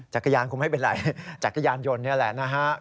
จักรยานคงไม่เป็นไรจักรยานยนต์นี่แหละนะครับ